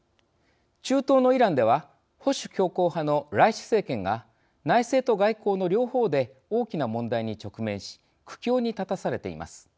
中東のイランでは保守強硬派のライシ政権が内政と外交の両方で大きな問題に直面し苦境に立たされています。